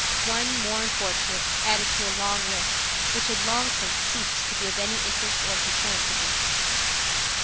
One more unfortunate added to a long list which had long since ceased to be of any interest or concern to them.